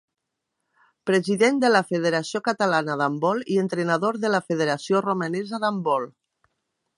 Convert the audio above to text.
President de la Federació Catalana d’Handbol i entrenador de la Federació Romanesa d’handbol.